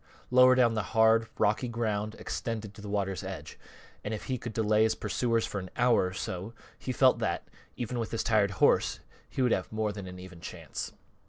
Lower down the hard, rocky ground extended to the water's edge, and if he could delay his pursuers for an hour or so, he felt that, even with his tired horse, he would have more than an even chance.